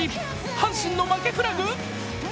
阪神の負けフラグ？